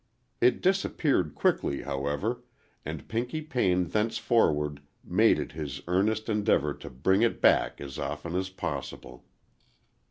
It disappeared quickly, however, and Pinky Payne thenceforward made it his earnest endeavor to bring it back as often as possible.